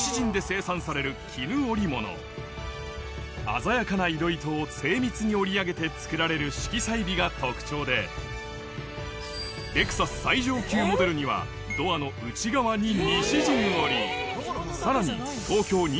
鮮やかな色糸を精密に織り上げて作られる色彩美が特徴でレクサス最上級モデルにはドアの内側に西陣織さらに東京２０２０